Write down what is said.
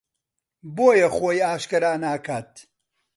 بۆیە خۆی ئاشکرا ناکات